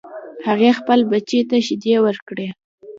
هغې خپل بچی ته شیدې ورکړې